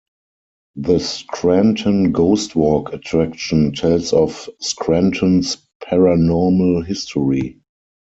The Scranton Ghost Walk attraction tells of Scranton's paranormal history.